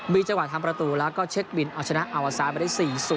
มีจังหวะทำประตูแล้วก็เช็คบินเอาชนะอาวาซามาได้๔๐